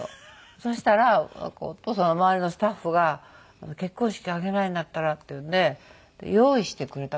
そしたらお父さんの周りのスタッフが結婚式挙げないんだったらっていうんで用意してくれたみたい。